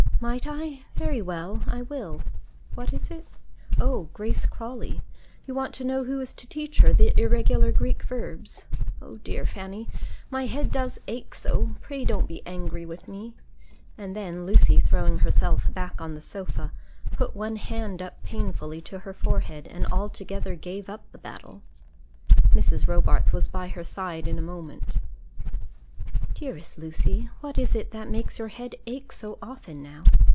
"Might I? very well; I will. What is it? Oh, Grace Crawley you want to know who is to teach her the irregular Greek verbs. Oh dear, Fanny, my head does ache so: pray don't be angry with me." And then Lucy, throwing herself back on the sofa, put one hand up painfully to her forehead, and altogether gave up the battle. Mrs. Robarts was by her side in a moment. "Dearest Lucy, what is it makes your head ache so often now?